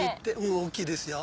大きいですよ。